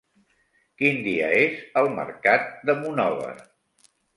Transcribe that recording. Quin dia és el mercat de Monòver?